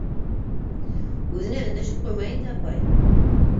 Үҙенә өндәшеп ҡуйма инде, апай.